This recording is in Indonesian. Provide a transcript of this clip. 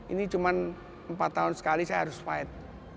ini cuma empat tahun sekali saya harus fight